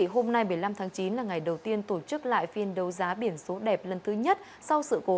hôm nay một mươi năm tháng chín là ngày đầu tiên tổ chức lại phiên đấu giá biển số đẹp lần thứ nhất sau sự cố